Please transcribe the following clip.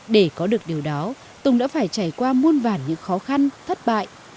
để có được điều đó tùng đã phải trải qua muôn vản những khó khăn thất bại